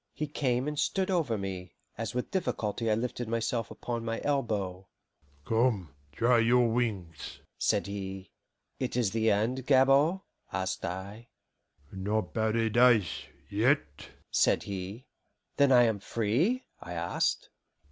He came and stood over me, as with difficulty I lifted myself upon my elbow. "Come, try your wings," said he. "It is the end, Gabord?" asked I. "Not paradise yet!" said he. "Then I am free?" I asked.